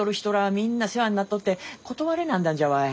みんな世話になっとって断れなんだんじゃわい。